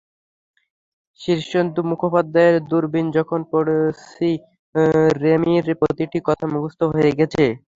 শীর্ষেন্দু মুখোপাধ্যায়ের দূরবীন যখন পড়ছি, রেমির প্রতিটি কথা মুখস্থ হয়ে গেছে।